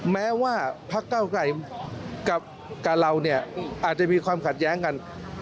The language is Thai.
แม้ว่าพักเก้าไกรกับการเราเนี่ยอาจจะมีความขัดแย้งกัน